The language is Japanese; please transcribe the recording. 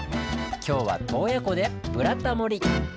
今日は洞爺湖で「ブラタモリ」！